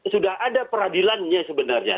sudah ada peradilannya sebenarnya